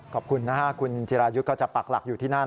ขอบคุณนะฮะคุณจิรายุทธ์ก็จะปักหลักอยู่ที่นั่น